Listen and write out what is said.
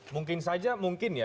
mungkin saja mungkin ya